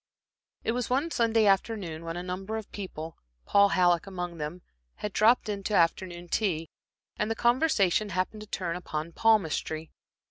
It was one Sunday afternoon when a number of people, Paul Halleck among them, had dropped in to afternoon tea, and the conversation happened to turn upon palmistry.